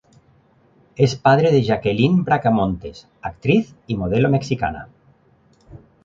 Es padre de Jacqueline Bracamontes, actriz y modelo mexicana.